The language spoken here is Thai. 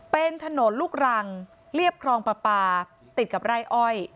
เป็นถนนลูกรังเรียบครองปลาปลาติดกับไร่อ้อย